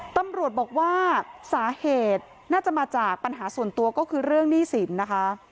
ตำรวจบอกว่าสาเหตุน่าจะมาจากปัญหาส่วนตัวก็คือเรื่องหนี้สินนะคะ